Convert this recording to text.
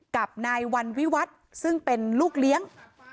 กับนายวันวิวัฒน์ซึ่งเป็นลูกเลี้ยง